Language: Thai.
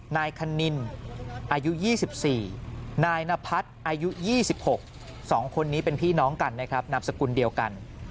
นายคณินอายุ๒๔นายนพัฒน์อายุ๒๖๒คนนี้เป็นพี่น้องกันนะครับนามสกุลเดียวกัน